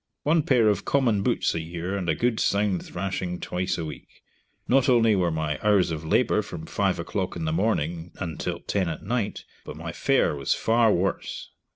One pair of common boots a year, and a good sound thrashing twice a week. Not only were my hours of labor from five o'clock in the morning until ten at night, but my fare was far worse.